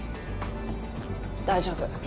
大丈夫。